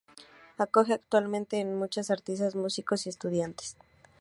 Acoge actualmente a muchos artistas, músicos y estudiantes.